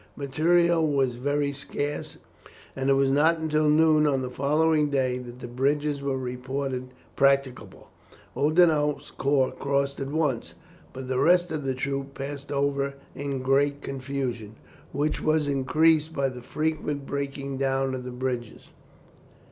Materials were very scarce, and it was not until noon on the following day that the bridges were reported practicable. Oudinot's corps crossed at once, but the rest of the troops passed over in great confusion, which was increased by the frequent breaking down of the bridges.